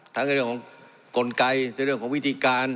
ในเรื่องของกลไกในเรื่องของวิธีการ